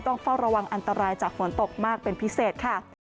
ต้องเฝ้าระวังอันตรายจากฝนตกมากเป็นพิเศษค่ะ